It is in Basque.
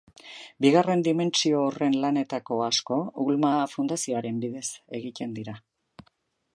Bigarren dimentsio horren lanetako asko Ulma Fundazioaren bidez egiten dira.